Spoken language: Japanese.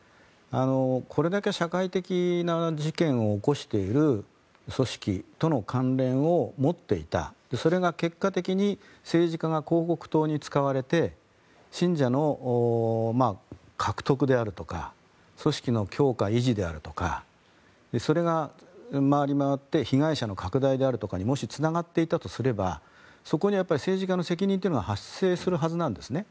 これだけ社会的な事件を起こしている組織との関連を持っていたそれが結果的に政治家が広告塔に使われて信者の獲得であるとか組織の強化・維持であるとかそれが回りまわって被害者の拡大であるとかにもし、つながっていたとしたらそこに政治家の責任というのが発生するはずなんですね。